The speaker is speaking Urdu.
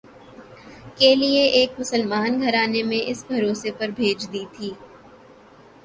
کے لئے ایک مسلمان گھرانے میں اِس بھروسے پر بھیج دی تھی